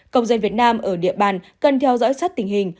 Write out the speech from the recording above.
công dân việt nam ở địa bàn cần theo dõi sát tình hình